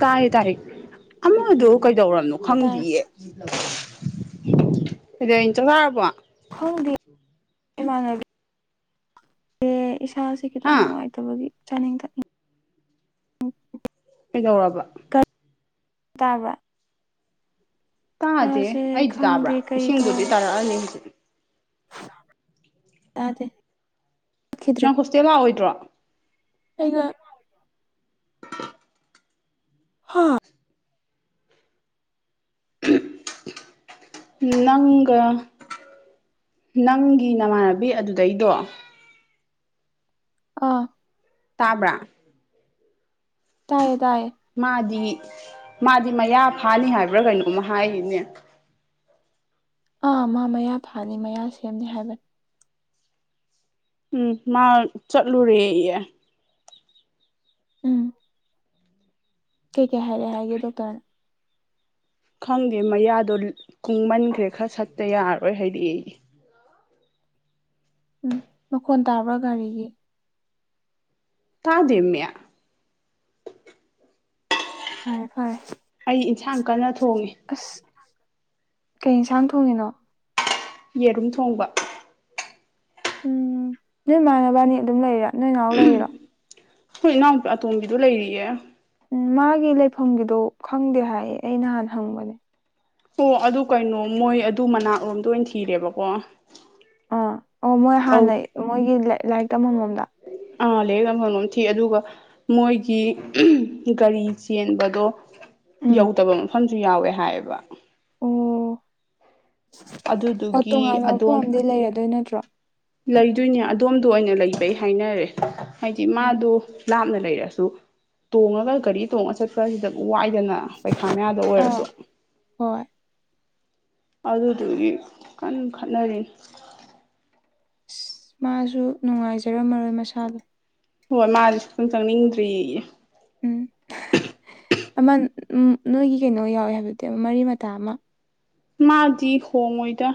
ꯇꯥꯔꯦ ꯇꯥꯔꯤ ꯑꯃꯗ ꯀꯩꯗꯧꯔꯕꯅꯣ ꯍꯥꯏꯇꯥꯔꯦ ꯈꯪꯗ꯭ꯌꯦ ꯑꯗꯨꯗ ꯏꯇ ꯇꯥꯔꯕꯣ ꯈꯪꯗꯤ ꯏꯃꯥꯟꯅꯕꯤ ꯑꯦ ꯏꯁꯥꯁꯦ ꯈꯤꯇꯪ ꯍꯥ ꯅꯨꯡꯉꯥꯏꯇꯕꯒꯤ ꯆꯅꯤꯡ ꯀꯩꯗꯧꯔꯕ ꯇꯥꯕ꯭ꯔ ꯇꯥꯗꯦ ꯑꯩꯗꯤ ꯇꯥꯕ꯭ꯔꯥ ꯈꯪꯗꯦ ꯀꯔꯤ ꯏꯁꯤꯡꯗꯨꯗꯤ ꯇꯥꯔꯛꯑꯅꯤ ꯍꯧꯖꯤꯛꯇꯛꯤ ꯑꯗꯦ ꯀꯠꯈꯤꯗ꯭ꯔꯦ ꯆꯦ ꯂꯥꯛꯑꯣꯏꯗ꯭ꯔꯣ ꯑꯩꯒ [inaudible] ꯍꯥ ꯅꯪꯒ ꯅꯪꯒꯤ ꯅꯃꯥꯟꯅꯕꯤ ꯑꯗꯨꯗꯩꯗꯣ ꯑꯥ ꯇꯥꯕ꯭ꯔꯥ ꯇꯥꯏꯌꯦ ꯇꯥꯏꯌꯦ ꯃꯥꯗꯤ ꯃꯥꯗꯤ ꯃꯌꯥ ꯐꯥꯅꯤ ꯍꯥꯏꯕ꯭ꯔꯥ ꯀꯩꯅꯣꯝꯃ ꯍꯥꯏꯔꯤꯅꯦ ꯑꯥ ꯃꯥ ꯃꯌꯥ ꯐꯥꯅꯤ ꯃꯌꯥ ꯁꯦꯝꯅꯤ ꯍꯥꯏꯕꯅꯤ ꯎꯝ ꯃꯥ ꯆꯠꯂꯨꯔꯦꯌꯦ ꯎꯝ ꯀꯩ ꯀꯩ ꯍꯥꯏꯔꯛꯑꯦ ꯍꯥꯏꯒꯦ ꯗꯣꯛꯇꯔꯅ ꯈꯪꯗꯦ ꯃꯌꯥꯗꯣ ꯀꯨꯡꯃꯟꯈ꯭ꯔꯦ ꯈꯔ ꯁꯠꯇ ꯌꯥꯔꯔꯣꯏ ꯍꯥꯏꯔꯛꯑꯦꯌꯦ ꯎꯝ ꯃꯈꯣꯟ ꯇꯥꯕ꯭ꯔꯥ ꯒꯥꯔꯤꯒꯤ ꯇꯥꯗꯦꯃꯦ ꯐꯔꯦ ꯐꯔꯦ ꯑꯩ ꯏꯟꯁꯥꯡ ꯀꯟꯅ ꯊꯣꯡꯉꯤ ꯑꯁ ꯀꯩ ꯌꯦꯟꯁꯥꯡ ꯊꯣꯡꯉꯤꯅꯣ ꯌꯦꯔꯨꯝ ꯊꯣꯡꯕ ꯎꯝ ꯅꯣꯏ ꯃꯥ ꯅꯕꯥꯟꯅꯤ ꯑꯗꯨꯝ ꯂꯩꯔꯤꯔ ꯅꯣꯏ ꯅꯥꯥꯎ ꯂꯩꯔꯤꯔꯣ ꯈꯣꯏ ꯏꯅꯥꯎꯄꯤ ꯑꯇꯣꯝꯕꯤꯗꯨ ꯂꯩꯔꯤꯌꯦ ꯎꯝ ꯃꯥꯒꯤ ꯂꯩꯐꯝꯒꯤꯗꯣ ꯈꯪꯗꯦ ꯍꯥꯏꯌꯦ ꯑꯩ ꯅꯍꯥꯟ ꯍꯪꯕꯅꯦ ꯑꯣ ꯑꯗꯨ ꯀꯩꯅꯣ ꯃꯣꯏ ꯑꯗꯨ ꯃꯅꯥꯛꯔꯣꯝꯗ ꯑꯣꯏꯅ ꯊꯤꯔꯦꯕꯀꯣ ꯑꯥ ꯑꯣ ꯃꯣꯏ ꯑꯧ ꯍꯥꯟꯅꯩ ꯃꯣꯏꯒꯤ ꯂꯥꯏꯔꯤꯛ ꯇꯝꯐꯝꯔꯣꯝꯗ ꯑꯥ ꯂꯥꯏꯔꯤꯛ ꯇꯝꯐꯝꯂꯣꯝ ꯊꯤ ꯑꯗꯨꯒ ꯃꯣꯏꯒꯤ ꯒꯥꯔꯤ ꯆꯦꯟꯕꯗꯣ ꯎꯝ ꯌꯧꯗꯕ ꯃꯐꯝꯁꯨ ꯌꯥꯎꯋꯦ ꯍꯥꯏꯌꯦꯕ ꯑꯣ ꯑꯣ ꯑꯗꯨꯗꯨꯒꯤ ꯇꯣꯉꯥꯟꯕ ꯃꯐꯝ ꯑꯗꯣꯝ ꯑꯃꯗꯤ ꯂꯩꯔꯗꯣꯏ ꯅꯠꯇ꯭ꯔꯣ ꯂꯩꯗꯣꯏꯅꯦ ꯑꯗꯣꯝꯗ ꯑꯣꯏꯅ ꯂꯩꯕꯩ ꯍꯥꯏꯅꯔꯦ ꯍꯥꯏꯗꯤ ꯎꯝ ꯃꯥꯗꯣ ꯂꯥꯞꯅ ꯂꯩꯔꯁꯨ ꯇꯣꯡꯉꯒ ꯒꯥꯔꯤ ꯇꯣꯡꯉ ꯆꯠꯄꯁꯤꯗꯕꯨ ꯋꯥꯏꯗꯅ ꯄꯩꯈꯥ ꯃꯌꯥꯗ ꯑꯥ ꯑꯣꯏꯔꯁꯨ ꯍꯣꯏ ꯑꯗꯨꯗꯨꯒꯤ ꯀꯟꯅ ꯈꯠꯅꯔꯤꯅꯤ ꯑꯁ ꯃꯥꯁꯨ ꯅꯨꯡꯉꯥꯏꯖꯔꯝꯃꯔꯣꯏ ꯃꯁꯥꯗꯣ ꯍꯣꯏ ꯃꯥꯗꯤ ꯁꯨꯛꯆꯪ ꯆꯪꯅꯤꯡꯗ꯭ꯔꯦꯌꯦ ꯎꯝ ꯑꯃ ꯅꯣꯏꯒꯤ ꯀꯩꯅꯣ ꯌꯥꯎꯋꯦ ꯍꯥꯏꯕꯗꯨꯗꯤ ꯃꯔꯤ ꯃꯇꯥ ꯑꯃ ꯃꯥꯗꯤ ꯍꯣꯡꯉꯣꯏꯗ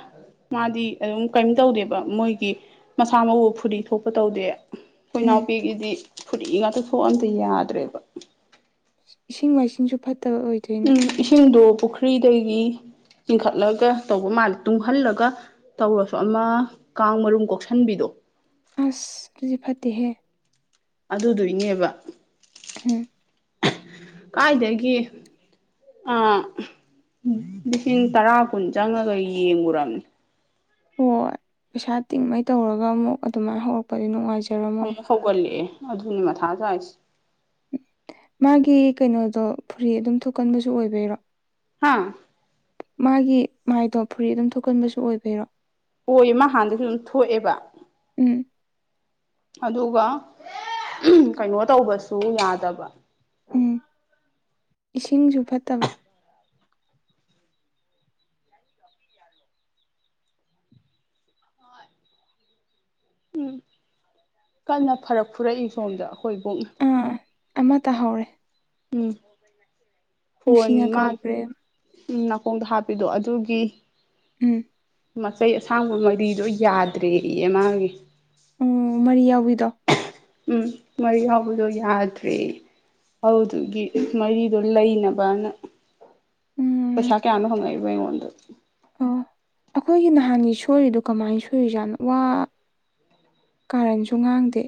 ꯃꯥꯗꯤ ꯑꯗꯨꯝ ꯀꯔꯤꯝ ꯇꯧꯗꯦꯕ ꯃꯣꯏꯒꯤ ꯃꯁꯥ ꯃꯎ ꯐꯨꯔꯤ ꯊꯣꯛꯄ ꯇꯧꯗꯦ ꯑꯩꯈꯣꯏ ꯎꯝ ꯅꯥꯎꯄꯤꯒꯤꯗꯤ ꯐꯨꯔꯤ ꯉꯥꯛꯇ ꯊꯣꯛꯑ ꯑꯝꯇ ꯌꯥꯗ꯭ꯔꯦꯕ ꯏꯁꯤꯡ ꯃꯥꯏꯁꯤꯡꯁꯨ ꯐꯠꯇꯕ ꯑꯣꯏꯗ ꯎꯝ ꯏꯁꯤꯡꯗꯣ ꯄꯨꯈ꯭ꯔꯤꯗꯒꯤ ꯆꯤꯡꯈꯠꯂꯒ ꯇꯧꯕ ꯃꯥꯜꯂꯦ ꯇꯨꯡꯍꯜꯂꯒ ꯇꯧꯔꯁꯨ ꯑꯃ ꯀꯥꯡ ꯃꯔꯨꯝ ꯀꯣꯛꯁꯟꯕꯤꯗꯣ ꯑꯁ ꯑꯗꯨꯗꯤ ꯐꯠꯇꯦꯍꯦ ꯑꯗꯨꯗꯨꯏꯅꯦꯕ ꯍꯝ ꯀꯥꯏꯗꯒꯤ ꯂꯤꯁꯤꯡ ꯇꯔꯥ ꯀꯨꯟ ꯆꯪꯉꯒ ꯌꯦꯡꯉꯔꯕꯅꯤ ꯍꯣꯏ ꯄꯩꯁꯥ ꯇꯤꯡꯉꯩ ꯇꯧꯔꯒ ꯑꯃꯨꯛ ꯑꯗꯨꯃꯥꯏꯅ ꯍꯧꯔꯛꯄꯗꯤ ꯅꯨꯡꯉꯥꯏꯖꯔꯝꯃꯣꯏ ꯑꯃꯨꯛ ꯍꯧꯒꯠꯂꯛꯑꯦ ꯑꯗꯨꯅꯤ ꯃꯊꯥ ꯁꯥꯏꯁꯦ ꯃꯥꯒꯤ ꯀꯩꯅꯣꯗꯣ ꯐꯨꯔꯤ ꯑꯗꯨꯝ ꯊꯣꯛꯀꯟꯕꯁꯨ ꯑꯣꯏꯕꯩꯔꯣ ꯍꯥꯥ ꯃꯥꯒꯤ ꯃꯥꯏꯗꯣ ꯐꯨꯔꯤ ꯑꯗꯨꯝ ꯊꯣꯛꯀꯟꯕꯁꯨ ꯑꯣꯏꯕꯔꯣ ꯑꯣꯏꯌꯦ ꯃꯥ ꯍꯥꯟꯗꯁꯨ ꯑꯗꯨꯝ ꯊꯣꯛꯑꯦꯕ ꯎꯝ ꯑꯗꯨꯒ ꯀꯩꯅꯣ ꯇꯧꯕꯁꯨ ꯌꯥꯗꯕ ꯎꯝ ꯏꯁꯤꯡꯁꯨ ꯐꯠꯇꯕ ꯎꯝ ꯀꯟꯅ ꯐꯔꯛ ꯐꯨꯔꯛꯏ ꯁꯣꯝꯗ ꯑꯩꯈꯣꯏꯕꯣꯛꯅ ꯑꯥ ꯑꯃ ꯇꯥꯍꯧꯔꯦ ꯎꯝ ꯐꯣꯟꯣꯟ ꯅꯨꯡꯁꯤꯅ ꯃꯥ ꯀꯧꯈ꯭ꯔꯦ ꯎꯝ ꯅꯥꯀꯣꯡꯗꯣ ꯍꯥꯞꯄꯤꯗꯣ ꯑꯗꯨꯒꯤ ꯎꯝ ꯃꯆꯩ ꯑꯁꯥꯡꯕ ꯃꯔꯤꯗꯣ ꯌꯥꯗ꯭ꯔꯦ ꯏ ꯃꯥꯒꯤ ꯎ ꯃꯔꯤ ꯌꯥꯎꯕꯤꯗꯣ ꯎꯝ ꯃꯔꯤ ꯌꯥꯎꯕꯗꯣ ꯌꯥꯗ꯭ꯔꯔꯤ ꯍꯧꯗꯨꯒꯤ ꯎꯝ ꯃꯔꯤꯗꯣ ꯂꯩꯅꯕꯅ ꯎꯝ ꯄꯩꯁꯥ ꯀꯌꯥꯅ ꯍꯪꯉꯏꯕ ꯑꯩꯉꯣꯟꯗ ꯑꯣ ꯑꯩꯈꯣꯏꯒꯤ ꯅꯍꯥꯟꯒꯤ ꯁꯣꯏꯔꯤꯗꯨꯣ ꯀꯃꯥꯏ ꯁꯣꯏꯔꯤꯖꯥꯠꯣ ꯋꯥ ꯀꯥꯔꯟꯁꯨ ꯉꯥꯡꯗꯦ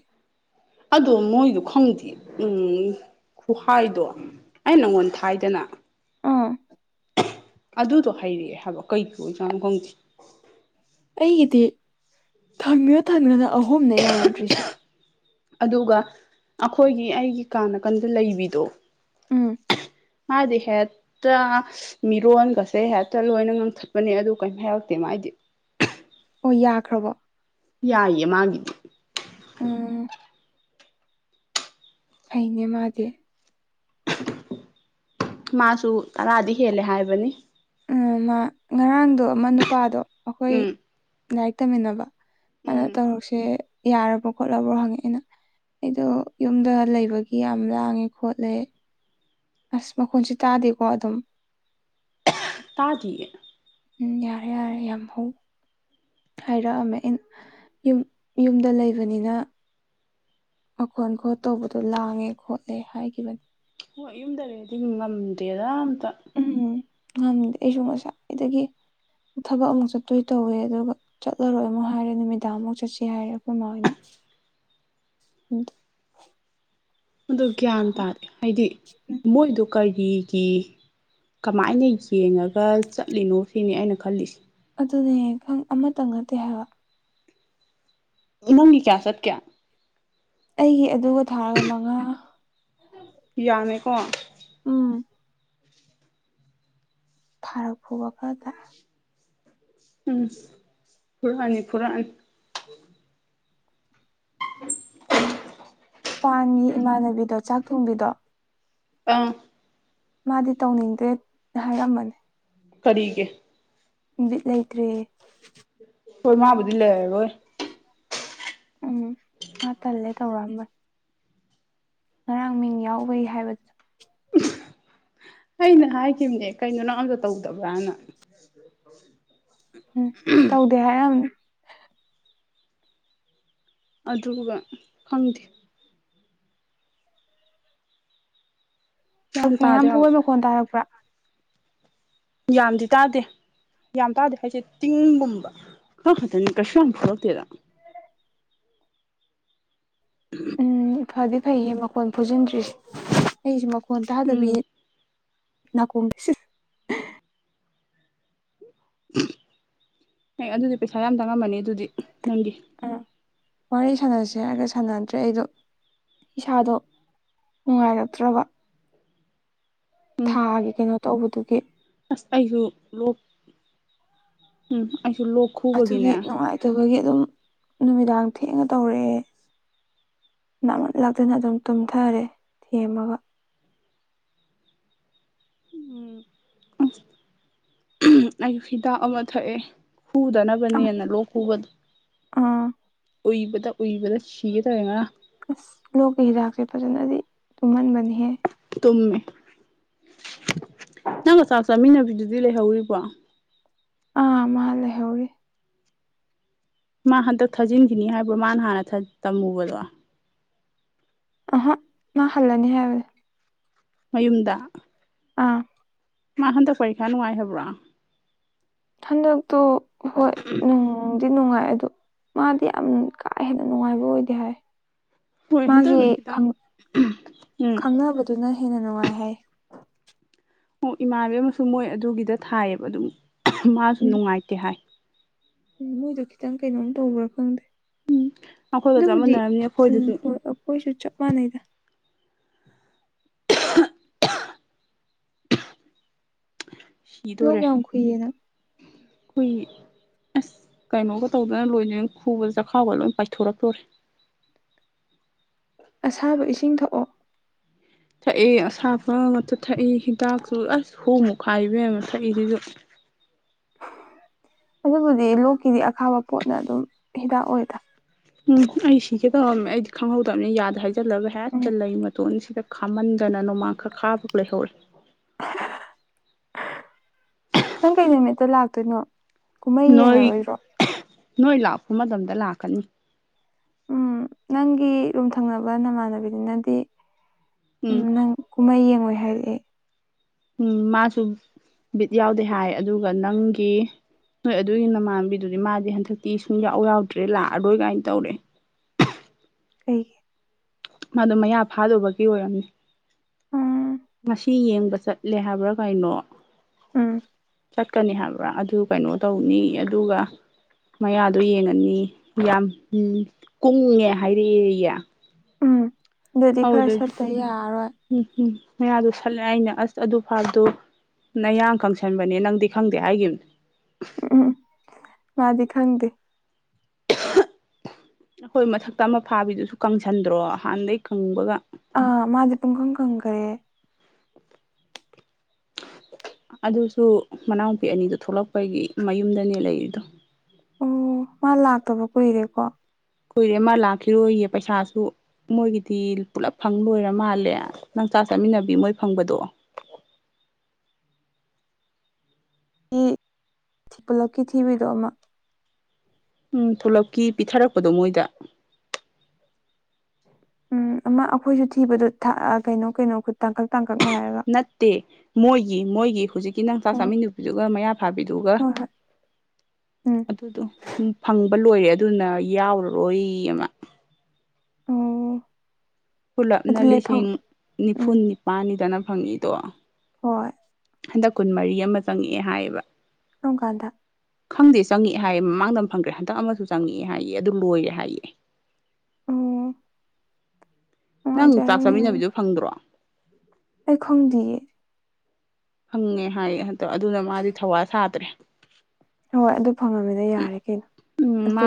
ꯑꯗꯣ ꯃꯣꯏꯗꯣ ꯈꯪꯗꯦ ꯎꯝ ꯈꯨꯍꯥꯏꯗꯣ ꯑꯩ ꯅꯪꯉꯣꯟ ꯊꯥꯏꯗꯅ ꯑꯥ ꯑꯗꯨꯗꯣ ꯍꯩꯔꯛꯑꯦ ꯍꯥꯏꯕ ꯀꯩ ꯄ ꯑꯣꯏꯖꯥꯅꯣ ꯈꯪꯗꯦ ꯑꯩꯒꯤꯗꯤ ꯊꯝꯃꯤꯌꯣ ꯊꯝꯒ꯭ꯔꯅ ꯑꯍꯨꯝꯅ ꯌꯥꯔꯝꯗ꯭ꯔꯤꯁꯦ ꯑꯗꯨꯒ ꯑꯩꯈꯣꯏꯒꯤ ꯑꯩꯒꯤ ꯀꯥ ꯅꯥꯀꯟꯗ ꯂꯩꯕꯤꯗꯣ ꯎꯝ ꯃꯥꯗꯤ ꯍꯦꯠꯇ ꯃꯤꯔꯣꯟꯒꯁꯦ ꯍꯦꯛꯇ ꯂꯣꯏꯅ ꯉꯥꯡꯊꯠꯄꯅꯦ ꯑꯗꯨ ꯀꯩꯝ ꯍꯥꯏꯔꯛꯇꯦ ꯃꯥꯥꯏꯗꯤ ꯑꯣ ꯌꯥꯈ꯭ꯔꯕꯣ ꯌꯥꯏꯌꯦ ꯃꯥꯒꯤ ꯎꯝ ꯐꯩꯅꯦ ꯃꯥꯗꯤ ꯃꯥꯁꯨ ꯇꯔꯥꯗꯤ ꯍꯦꯜꯂꯦ ꯍꯥꯏꯕꯅꯤ ꯎ ꯃꯥ ꯉꯔꯥꯡꯗꯣ ꯃ ꯅꯨꯄꯥꯗꯣ ꯑꯩꯈꯣꯏ ꯎꯝ ꯂꯥꯏꯔꯤꯛ ꯇꯝꯃꯤꯟꯅꯕ ꯑꯗꯨꯅ ꯎꯝ ꯇꯧꯔꯛꯁꯦ ꯌꯥꯔꯕ꯭ꯔꯣ ꯈꯣꯠꯂꯕꯣ ꯍꯪꯉꯛꯑꯦꯅ ꯑꯩꯗꯣ ꯌꯨꯝꯗ ꯂꯩꯕꯒꯤ ꯌꯥꯝ ꯂꯥꯡꯉꯦ ꯈꯣꯠꯂꯦ ꯑꯁ ꯃꯈꯣꯟꯁꯦ ꯇꯥꯗꯦꯀꯣ ꯑꯗꯨꯝ ꯇꯥꯗꯤ ꯎꯝ ꯌꯥꯔꯦ ꯌꯥꯔꯦ ꯌꯥꯝ ꯍꯧ ꯍꯥꯏꯔꯛꯑꯝꯃꯦ ꯌꯨꯝ ꯌꯨꯝꯗ ꯂꯩꯕꯅꯤꯅ ꯃꯈꯣꯟ ꯈꯣꯠ ꯇꯧꯕꯗꯣ ꯂꯥꯡꯉꯦ ꯈꯣꯠꯂꯦ ꯍꯥꯏꯈꯤꯕꯅꯤ ꯍ ꯌꯨꯝꯗ ꯂꯩꯗꯤ ꯉꯝꯗꯦꯗ ꯑꯝꯇ ꯎꯝ ꯎꯝ ꯉꯝꯗꯦ ꯑꯩꯁꯨ ꯉꯁꯥꯏꯗꯒꯤ ꯊꯕꯛ ꯑꯃꯨꯛ ꯆꯠꯇꯣꯏ ꯇꯧꯋꯦ ꯑꯗꯨꯒ ꯆꯠꯂꯔꯣꯏ ꯑꯃꯨꯛ ꯍꯥꯏꯔꯦ ꯅꯨꯃꯤꯗꯥꯡꯃꯨꯛ ꯆꯠꯁꯤ ꯍꯥꯏꯔꯦ ꯑꯩꯈꯣꯏꯃꯣꯏꯅ ꯑꯗꯨ ꯒ꯭ꯌꯥꯟ ꯇꯥꯗꯦ ꯍꯥꯏꯗꯤ ꯃꯣꯏꯗ ꯀꯔꯤꯒꯤ ꯀꯃꯥꯏꯅ ꯌꯦꯡꯉꯒ ꯆꯠꯂꯤꯅꯣ ꯁꯤꯅꯤ ꯑꯩꯅ ꯈꯜꯂꯤꯁꯦ ꯑꯗꯨꯅꯦ ꯈ ꯑꯃꯇꯪ ꯅꯠꯇꯦ ꯍꯥꯏꯕ ꯎꯪꯒꯤ ꯀꯌꯥ ꯆꯠꯀꯦ ꯑꯩꯒꯤ ꯑꯗꯨꯒ ꯊꯥꯔꯒ ꯃꯉꯥ ꯌꯥꯃꯦꯀꯣ ꯎꯝ ꯐꯥꯔꯛꯄꯨꯕ ꯈꯔꯗ ꯎꯝ ꯄꯨꯔꯥꯅꯤ ꯄꯨꯔꯥꯅꯤ [unintelligible] ꯄꯥꯟꯒꯤ ꯏꯃꯥꯟꯅꯕꯤꯗꯣ ꯆꯥꯛ ꯊꯣꯡꯕꯤꯗꯣ ꯑꯪ ꯃꯥꯗꯤ ꯇꯧꯅꯤꯡꯗ꯭ꯔꯦ ꯍꯥꯏꯔꯝꯕꯅꯤ ꯀꯔꯤꯒꯤ ꯕꯤꯠ ꯂꯩꯇ꯭ꯔꯦꯌꯦ ꯍꯣꯏ ꯃꯥꯕꯨꯗꯤ ꯂꯩꯔꯔꯣꯏ ꯎꯝ ꯃꯥ ꯇꯜꯂꯦ ꯇꯧꯔꯛꯑꯝꯕ ꯉꯔꯥꯡ ꯃꯤꯡ ꯌꯥꯎꯕꯩ ꯍꯥꯏꯕꯠ ꯑꯩꯅ ꯍꯥꯏꯈꯤꯕꯅꯦ ꯀꯩꯅꯣ ꯅꯪ ꯑꯝꯇ ꯇꯧꯗꯕ꯭ꯔꯅ ꯎꯝ ꯇꯧꯗꯦ ꯍꯥꯏꯔꯝꯅꯤ ꯑꯗꯨꯒ ꯈꯪꯗꯦ ꯄꯛ ꯒ꯭ꯌꯥꯟ ꯃꯌꯥꯝ ꯇꯥꯗꯦ ꯍꯥꯏꯕ ꯐꯨꯕꯩ ꯃꯈꯣꯟ ꯗꯥꯔꯛꯄ꯭ꯔꯥ ꯌꯥꯝꯗꯤ ꯇꯥꯗꯦ ꯌꯥꯝ ꯇꯥꯗꯦ ꯍꯥꯏꯁꯦ ꯇꯤꯡꯒꯨꯝꯕ ꯇꯧꯛ ꯈꯛꯇꯅꯤ ꯀꯩꯁꯨ ꯌꯥꯝ ꯊꯣꯛꯂꯛꯇꯦꯗ [unintelligible] ꯎꯝ ꯐꯗꯤ ꯐꯩꯌꯦ ꯃꯈꯣꯟ ꯐꯨꯖꯤꯟꯗ꯭ꯔꯤꯁꯦ ꯑꯩꯁꯦ ꯃꯈꯣꯟ ꯇꯥꯗꯕꯤ ꯎꯝ ꯅꯀꯣꯡ ꯁ ꯍ ꯑꯗꯨꯗꯤ ꯄꯩꯁꯥ ꯌꯥꯝ ꯇꯥꯡꯉꯝꯃꯅꯤ ꯑꯗꯨꯗꯤ ꯅꯪꯒꯤ ꯑꯝ ꯋꯥꯔꯤ ꯁꯥꯟꯅꯁꯦ ꯍꯥꯏꯔꯒ ꯁꯥꯟꯅꯗ꯭ꯔꯦ ꯑꯩꯗꯣ ꯏꯁꯥꯗꯣ ꯅꯨꯡꯉꯥꯏꯔꯛꯇ꯭ꯔꯕ ꯎꯝ ꯊꯥꯒꯤ ꯀꯩꯅꯣ ꯇꯧꯕꯗꯨꯒꯤ ꯑꯁ ꯑꯩꯁꯨ ꯂꯣꯛ ꯎꯝ ꯑꯩꯁꯨ ꯂꯣꯛ ꯑꯗꯨꯒꯤ ꯈꯨꯕꯒꯤꯅꯦ ꯅꯨꯡꯉꯥꯏꯇꯕꯒꯤ ꯑꯗꯨꯝ ꯅꯨꯃꯤꯗꯥꯡ ꯊꯦꯡꯅ ꯇꯧꯔꯛꯑꯦ ꯅꯥꯃꯟ ꯂꯛꯇꯅ ꯑꯗꯨꯝ ꯇꯨꯝꯊꯔꯦ ꯊꯦꯝꯃꯒ ꯎꯝ ꯑꯍꯝ ꯑꯩ ꯍꯤꯗꯥꯛ ꯑꯃ ꯊꯛꯑꯦ ꯍꯨꯗꯅꯕꯅꯦꯅ ꯂꯣꯛ ꯈꯨꯕꯗꯨ ꯑꯥ ꯎꯏꯕꯗ ꯎꯏꯕꯗ ꯁꯤꯒ ꯇꯧꯋꯦ ꯉꯔꯥꯡ ꯑꯁ ꯂꯣꯛꯀꯤ ꯍꯤꯗꯥꯛꯁꯦ ꯐꯖꯅꯗꯤ ꯇꯨꯝꯍꯟꯕꯅꯤꯍꯦ ꯇꯨꯝꯃꯦ ꯅꯪꯒ ꯆꯥꯛ ꯆꯥꯃꯤꯟꯅꯕꯤꯗꯨꯗꯤ ꯂꯩꯍꯧꯔꯤꯕꯣ ꯑ ꯃꯥ ꯂꯩꯍꯧꯔꯤ ꯃꯥ ꯍꯟꯗꯛ ꯊꯥꯖꯤꯟꯈꯤꯅꯤ ꯍꯥꯏꯕ꯭ꯔꯣ ꯃꯥꯅ ꯍꯥꯟꯅ ꯇꯝꯃꯨꯕꯗꯣ ꯑꯍ ꯃꯥ ꯍꯜꯂꯅꯤ ꯍꯥꯏꯕꯗꯤ ꯃꯌꯨꯝꯗ ꯑꯥ ꯃꯥ ꯍꯟꯗꯛ ꯄꯔꯤꯈꯥ ꯅꯨꯡꯉꯥꯏ ꯍꯥꯏꯕ꯭ꯔꯣ ꯍꯟꯗꯛꯛꯇꯣ ꯍꯣꯏ ꯎꯝ ꯅꯨꯡꯉꯥꯏ ꯑꯗꯣ ꯃꯥꯗꯤ ꯌꯥꯝ ꯀꯥ ꯍꯦꯟꯅ ꯅꯨꯡꯉꯥꯏꯕ ꯑꯣꯏꯗꯦ ꯍꯥꯏ ꯍꯣꯏ ꯃꯥꯒꯤ ꯍꯟꯗꯛꯇ ꯈꯤꯇꯪ ꯈꯪ ꯎꯝ ꯈꯪꯅꯕꯗꯨꯅ ꯍꯦꯟꯅ ꯅꯨꯡꯉꯥꯏ ꯍꯥꯏ ꯑꯣ ꯏꯃꯥꯟꯕꯤ ꯑꯃꯁꯨ ꯃꯣꯏ ꯑꯗꯨꯒꯤꯗ ꯊꯥꯏꯌꯦꯕ ꯑꯗꯨꯝ ꯃꯥꯁꯨ ꯅꯨꯡꯉꯥꯏꯇꯦ ꯍꯥꯏ ꯎꯝ ꯃꯨꯏꯗꯨ ꯈꯤꯇꯪ ꯀꯩꯅꯣꯝ ꯇꯧꯕ꯭ꯔꯥ ꯈꯪꯗꯦ ꯑꯩꯈꯣꯏꯒ ꯑꯗꯨꯕꯨꯗꯤ ꯆꯃꯟꯅꯔꯕꯅꯤ ꯎꯝ ꯑꯩꯈꯣꯏꯗꯁꯨ ꯍꯣꯏ ꯍꯣꯏꯁꯨ ꯆꯞ ꯃꯥꯟꯅꯩꯗ ꯂꯣꯛ ꯌꯥꯝ ꯈꯨꯏꯌꯦ ꯅꯪ ꯈꯨꯏ ꯑꯁ ꯀꯩꯅꯣꯒ ꯇꯧꯗꯅ ꯂꯣꯏꯅꯦꯑꯪ ꯈꯨꯕꯗ ꯆꯈꯥꯎꯒ ꯂꯣꯏ ꯄꯥꯏꯊꯣꯔꯛꯇꯣꯔꯦ ꯑꯁꯥꯕ ꯏꯁꯤꯡ ꯊꯛꯑꯣ ꯊꯛꯏ ꯑꯁꯥꯕ ꯉꯇ ꯊꯛꯏ ꯍꯤꯗꯥꯛꯁꯨ ꯑꯁ ꯍꯨꯃꯨ ꯈꯥꯏ ꯏꯕꯦꯝꯃ ꯊꯛꯏꯖꯤꯖꯨ ꯑꯗꯨꯕꯨꯗꯤ ꯂꯨꯛꯀꯤꯗꯤ ꯑꯈꯥꯕ ꯄꯣꯠꯅ ꯑꯗꯨꯝ ꯍꯤꯗꯥꯛ ꯑꯣꯏꯗ ꯎꯝ ꯑꯩ ꯁꯤꯒꯦ ꯇꯧꯔꯝꯅꯦ ꯑꯩꯗꯤ ꯈꯪꯍꯧꯗꯕꯅꯦ ꯌꯥꯗ ꯍꯥꯏꯖꯤꯜꯂꯕ ꯍꯦꯛ ꯎꯝ ꯆꯜꯂ ꯃꯇꯣꯟ ꯁꯤꯗ ꯈꯥꯝꯃꯟꯗꯅ ꯅꯣꯡꯃꯥꯡꯈꯛ ꯈꯥꯕꯒ ꯂꯩꯍꯧꯋꯤ ꯅꯪ ꯀꯩ ꯅꯨꯃꯤꯠꯇ ꯂꯥꯛꯇꯣꯏꯅꯣ ꯀꯨꯝꯍꯩ ꯅꯣꯏ ꯌꯦꯡꯉꯔꯣꯏꯗ꯭ꯔꯣ ꯅꯣꯏ ꯂꯥꯛꯄ ꯃꯇꯝꯗ ꯂꯥꯛꯀꯅꯤ ꯎꯝ ꯅꯪꯒꯤ ꯔꯨꯝ ꯊꯪꯅꯕ ꯅꯃꯥꯟꯅꯕꯤꯅꯤꯅꯗꯤ ꯎꯝ ꯅꯪ ꯀꯨꯝꯍꯩ ꯌꯦꯡꯉꯣꯏ ꯍꯥꯏꯔꯛꯑꯦ ꯎꯝ ꯃꯥꯁꯨ ꯕꯤꯠ ꯌꯥꯎꯗꯦ ꯍꯥꯏ ꯑꯗꯨꯒ ꯅꯪꯒꯤ ꯍꯣꯏ ꯑꯗꯨꯏ ꯅꯃꯥꯟꯕꯤꯗꯨꯗꯤ ꯃꯥꯗꯤ ꯍꯟꯗꯛꯇꯤ ꯁꯨꯡꯌꯥꯎ ꯌꯥꯎꯗ꯭ꯔꯦ ꯂꯥꯛꯑꯔꯣꯏ ꯒꯥꯏꯟ ꯇꯧꯔꯦ ꯀꯩ ꯃꯥꯗꯣ ꯃꯌꯥ ꯐꯥꯗꯨꯕꯒꯤ ꯑꯣꯏꯔꯝꯅꯤ ꯎꯝ ꯉꯁꯤ ꯌꯦꯡꯕ ꯆꯠꯂꯦ ꯍꯥꯏꯕ꯭ꯔꯥ ꯀꯩꯅꯣ ꯎꯝ ꯆꯠꯀꯅꯤ ꯍꯥꯏꯕ꯭ꯔꯥ ꯑꯗꯨ ꯀꯩꯅꯣ ꯇꯧꯅꯤꯌꯦ ꯑꯗꯨꯒ ꯃꯌꯥꯗꯣ ꯌꯦꯡꯉꯅꯤ ꯌꯥꯝ ꯀꯨꯡꯉꯦ ꯍꯥꯏꯔꯛꯑꯦꯌꯦ ꯎꯝ ꯑꯗꯨꯗꯤ ꯈꯔ ꯑꯗꯨꯗꯒꯤ ꯆꯠꯄ ꯌꯥꯔꯔꯣꯏ ꯎꯝ ꯎꯝ ꯃꯌꯥꯗꯣ ꯁꯠꯂꯦ ꯑꯩꯅ ꯑꯁ ꯑꯗꯨ ꯐꯥꯕꯗꯣ ꯅ ꯌꯥꯡ ꯀꯪꯁꯟꯕꯅꯦ ꯅꯪꯗꯤ ꯈꯪꯗꯦ ꯍꯥꯏꯒꯤꯅꯦ ꯎꯝ ꯎꯝ ꯃꯥꯗꯤ ꯈꯪꯗꯦ ꯑꯈꯣꯏ ꯃꯊꯛꯇ ꯑꯃ ꯐꯥꯕꯤꯗꯨꯁꯨ ꯀꯪꯁꯟꯗ꯭ꯔꯣ ꯍꯥꯟꯗꯩ ꯀꯪꯕꯒ ꯑꯥ ꯃꯥꯖꯦ ꯄꯨꯡ ꯀꯪ ꯀꯪꯈꯔꯦ ꯑꯗꯨꯁꯨ ꯃꯅꯥꯎꯄꯤ ꯑꯅꯤꯗꯨ ꯊꯣꯛꯂꯛꯄꯒꯤ ꯃꯌꯨꯝꯗꯅꯦ ꯂꯩꯔꯤꯗꯣ ꯑꯣ ꯃꯥ ꯂꯥꯛꯇꯕ ꯀꯨꯏꯔꯦꯀꯣ ꯀꯨꯏꯔꯦ ꯑꯃ ꯂꯥꯛꯈꯤꯔꯣꯌꯦ ꯄꯩꯁꯥꯁꯨ ꯃꯣꯏꯒꯤꯗꯤ ꯄꯨꯂꯞ ꯐꯪ ꯂꯣꯏꯔ ꯃꯥꯜꯂꯦ ꯅꯪ ꯆꯥꯛ ꯆꯠꯃꯤꯟꯅꯕꯤ ꯃꯣꯏ ꯐꯪꯕꯗꯣ ꯊꯤ ꯄꯨꯜꯂꯛꯀꯤ ꯊꯤꯕꯩꯗꯣ ꯑꯃ ꯎꯝ ꯊꯨꯂꯞꯀꯤ ꯄꯤꯊꯔꯛꯄꯗꯣ ꯃꯣꯏꯗ ꯎꯝ ꯑꯃ ꯑꯩꯈꯣꯏꯁꯨ ꯊꯤꯕꯗꯣ ꯀꯩꯅꯣ ꯀꯩꯅꯣ ꯇꯥꯡꯀꯛ ꯇꯥꯡꯀꯛꯅꯥꯏ ꯅꯠꯇꯦ ꯃꯣꯏꯒꯤ ꯃꯣꯏꯒꯤ ꯍꯨꯖꯤꯛꯀꯤ ꯅꯪ ꯆꯥꯛ ꯑꯣ ꯆꯥꯃꯤꯟꯅꯕꯤꯗꯨꯒ ꯃꯌꯥ ꯐꯥꯕꯤꯗꯨꯒ ꯍꯣꯏ ꯍꯣꯏ ꯎꯝ ꯑꯗꯨꯗꯣ ꯄꯨꯡ ꯐꯪꯕ ꯂꯣꯏꯔꯦ ꯑꯗꯨꯅ ꯌꯥꯎꯔꯔꯣꯏ ꯌꯦ ꯃꯥ ꯑꯧ ꯄꯨꯂꯞꯅ ꯂꯤꯁꯤꯡ ꯎꯝ ꯅꯤꯐꯨꯟ ꯅꯤꯄꯥꯜꯅꯤꯗꯅ ꯐꯪꯉꯤꯗꯣ ꯍꯣꯏ ꯍꯟꯗꯛ ꯀꯨꯟ ꯃꯔꯤ ꯑꯃ ꯆꯪꯉꯛꯑꯦ ꯍꯥꯏꯌꯦꯕ ꯀꯔꯀꯥꯟꯗ ꯈꯪꯗꯦ ꯆꯪꯉꯑꯦ ꯍꯥꯏꯌꯦ ꯃꯃꯥꯡꯗ ꯑꯝ ꯐꯪꯒꯔꯦ ꯍꯟꯗꯛ ꯑꯃꯁꯨ ꯆꯪꯉꯛꯑꯦ ꯍꯥꯏꯌꯦ ꯑꯗꯨ ꯂꯣꯏꯔꯦ ꯍꯥꯏꯌꯦ ꯑꯣ ꯅꯪ ꯆꯥꯛ ꯅꯨꯡꯉꯥꯏꯖꯔꯝꯅꯦ ꯆꯥꯃꯤꯟꯅꯕꯤꯗꯣ ꯐꯪꯗ꯭ꯔꯣ ꯑꯩ ꯈꯪꯗꯤꯌꯦ ꯐꯪꯉꯦ ꯍꯥꯏꯌꯦ ꯍꯟꯇꯛ ꯑꯗꯨꯅ ꯃꯥꯗꯤ ꯊꯧꯋꯥ ꯁꯥꯗ꯭ꯔꯦ ꯍꯣꯏ ꯑꯗꯨ ꯐꯪꯉꯝꯃꯤꯅ ꯌꯥꯔꯦ ꯀꯩꯅꯣ ꯑꯗꯨ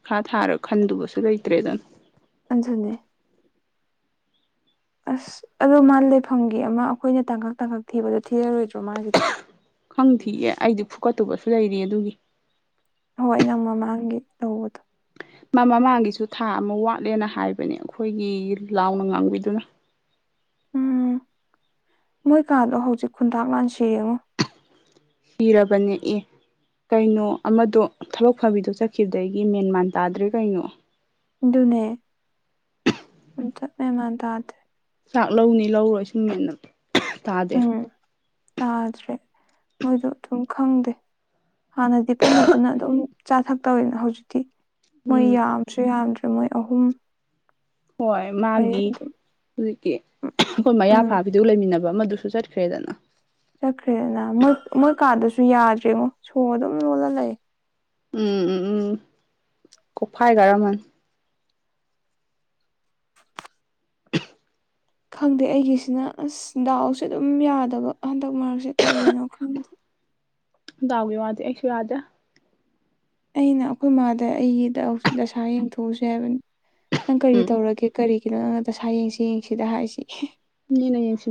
ꯄꯩꯈꯥ ꯊꯥꯔꯒ ꯈꯟꯗꯨꯕꯁꯨ ꯂꯩꯇ꯭ꯔꯦꯗꯅ ꯎꯅꯦ ꯑꯁ ꯑꯗꯣ ꯃꯥ ꯂꯩꯐꯝꯒꯤ ꯑꯃ ꯑꯈꯣꯏꯅ ꯇꯥꯡꯀꯛ ꯇꯥꯡꯀꯛ ꯊꯤꯕꯗꯣ ꯊꯤꯔꯔꯣꯏꯗ꯭ꯔꯣ ꯃꯥꯒꯤ ꯈꯪꯊꯤꯌꯦ ꯑꯩꯗꯤ ꯐꯨꯀꯠꯇꯨꯕꯁꯨ ꯂꯩꯔꯤ ꯑꯗꯨꯒꯤ ꯍꯣꯏ ꯅꯪ ꯃꯃꯥꯡꯒꯤ ꯇꯧꯕꯗꯣ ꯃꯃꯥꯡꯒꯤꯁꯨ ꯊꯥ ꯑꯃ ꯋꯥꯠꯂꯦꯅ ꯍꯥꯏꯕꯅꯦ ꯑꯩꯈꯣꯏꯒꯤ ꯂꯥꯎꯅ ꯉꯥꯡꯕꯤꯗꯨꯅ ꯎꯝ ꯃꯣꯏ ꯀꯥꯗꯣ ꯍꯧꯖꯤꯛ ꯈꯨꯟꯇꯥꯛ ꯂꯥꯟꯁꯤꯔꯦꯉꯣ ꯄꯤꯔꯕꯅꯦ ꯑꯦ ꯀꯩꯅꯣ ꯑꯃꯗꯣ ꯊꯕꯛ ꯐꯕꯤꯗꯣ ꯆꯠꯈꯤꯕꯗꯒꯤ ꯃꯦꯟꯃꯥꯟ ꯇꯥꯗ꯭ꯔꯦ ꯀꯩꯅꯣ ꯅꯦ ꯃꯦꯃꯥꯟ ꯇꯗ ꯆꯥꯛ ꯂꯧꯅꯤ ꯂꯧꯔꯣꯏ ꯁꯨꯝꯃꯦꯅꯛ ꯎꯝ ꯇꯥꯗ꯭ꯔꯦ ꯃꯣꯏꯗꯣ ꯑꯗꯨꯝ ꯈꯪꯗꯦ ꯍꯥꯟꯅꯗꯤ ꯄꯨꯟꯅ ꯄꯨꯟꯅ ꯑꯗꯨꯝ ꯆꯥ ꯊꯛ ꯇꯧꯋꯦꯅ ꯍꯧꯖꯤꯛꯇꯤ ꯃꯣꯏ ꯎꯝ ꯌꯥꯝ ꯁꯨ ꯌꯥꯝꯗ꯭ꯔꯤ ꯃꯣꯏ ꯑꯍꯨꯝ ꯍꯣꯏ ꯃꯔꯤ ꯃꯥꯒꯤ ꯑꯗꯨꯝ ꯍꯧꯖꯤꯛꯇꯤ ꯑꯩꯈꯣꯏ ꯃꯌꯥ ꯎꯝ ꯐꯥꯕꯤꯗꯨ ꯂꯩꯃꯤꯟꯅꯕ ꯑꯃꯗꯨꯁꯨ ꯆꯠꯈ꯭ꯔꯦꯗꯅ ꯆꯠꯈ꯭ꯔꯦꯗꯅ ꯃꯣꯏ ꯀꯥꯟꯗꯁꯨ ꯌꯥꯗ꯭ꯔꯦꯉꯣ ꯁꯣ ꯑꯗꯨꯝ ꯂꯣꯜꯂ ꯂꯩꯑꯦ ꯎꯝ ꯎꯝ ꯎꯝ ꯀꯣꯛꯐꯥꯏ ꯀꯔꯝꯃꯅꯤ [unintelligible] ꯈꯪꯗꯦ ꯑꯩꯒꯤꯁꯤꯅ ꯑꯁ ꯗꯥꯎꯁꯦ ꯑꯗꯨꯝ ꯌꯥꯗꯕ ꯍꯟꯗꯛ ꯃꯔꯛꯁꯦ ꯀꯔꯤꯅꯣ ꯈꯪꯗꯦ ꯗꯥꯎꯒꯤ ꯋꯥꯗ ꯑꯩꯁꯨ ꯌꯥꯗꯦ ꯑꯩꯅ ꯑꯩꯈꯣꯏ ꯃꯥꯗ ꯑꯩꯗ ꯗꯁꯥ ꯌꯦꯡꯊꯣꯛꯎꯁꯤ ꯍꯥꯏꯕꯅꯤ ꯅꯪ ꯀꯔꯤ ꯎꯝ ꯇꯧꯔꯒꯦ ꯀꯔꯤꯒꯤꯅꯣ ꯅꯪꯅ ꯗꯁꯥ ꯌꯦꯡꯁꯤ ꯌꯦꯡꯁꯤꯗ ꯍꯥꯏꯁꯤ ꯃꯤꯅ ꯌꯦꯡꯁꯤꯟ